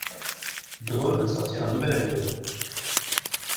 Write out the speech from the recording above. Dre va sortir un nouvel album.